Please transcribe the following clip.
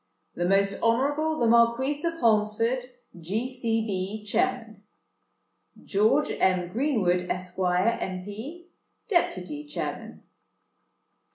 "THE MOST HONOURABLE THE MARQUIS OF HOLMESFORD, G. C. B., Chairman. "GEORGE M. GREENWOOD, Esq., M.P., Deputy Chairman.